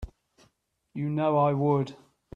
You know I would.